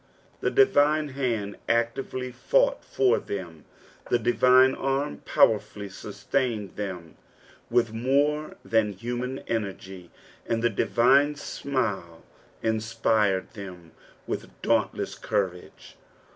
The divine liand actively fought for them, the divine arm powerfully sustained tbem with more than human energy, and the divine tmiU inspired them with dauntless courage.